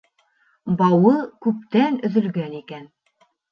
Бауы күптән өҙөлгән икән.